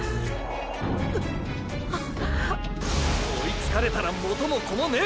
追いつかれたら元も子もねェ！！